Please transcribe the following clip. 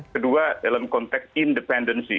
kedua dalam konteks independensi